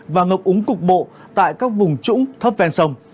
và ngập úng cục bộ tại các vùng trũng thấp ven sông